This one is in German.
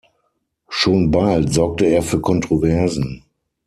Schon bald sorgte er für Kontroversen.